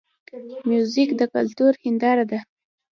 موزیک د کلتور هنداره ده.